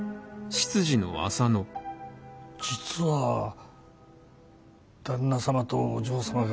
実は旦那様とお嬢様が。